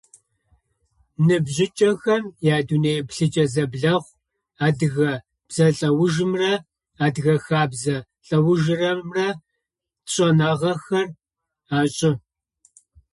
Ныбжьыкӏэхэм ядунэееплъыкӏэ зэблэхъу, адыгэ бзэлӏэужымрэ адыгэ хэбзэ лӏэужырэмрэ чӏэнагъэхэр ашӏы.